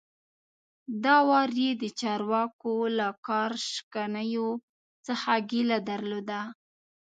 دا وار یې د چارواکو له کار شکنیو څخه ګیله درلوده.